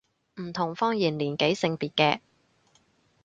唔同方言年紀性別嘅